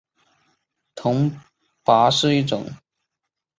铜钹是一种常见的打击乐器。